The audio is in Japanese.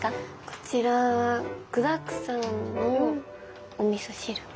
こちらは具だくさんのおみそ汁！